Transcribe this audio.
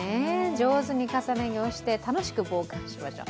上手に重ね着をして楽しく防寒しましょう。